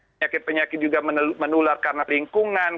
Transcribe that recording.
penyakit penyakit juga menular karena lingkungan